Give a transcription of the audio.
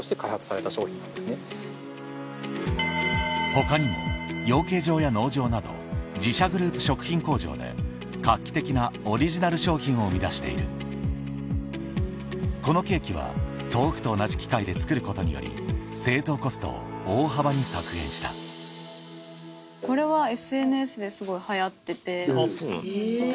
他にも養鶏場や農場など自社グループ食品工場で画期的なオリジナル商品を生み出しているこのケーキは豆腐と同じ機械で作ることにより製造コストを大幅に削減したこれは。これ。